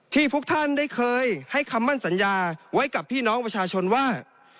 พวกท่านได้เคยให้คำมั่นสัญญาไว้กับพี่น้องประชาชนว่า